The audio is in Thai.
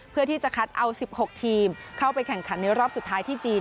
เพื่อที่จะคัดเอา๑๖ทีมเข้าไปแข่งขันในรอบสุดท้ายที่จีน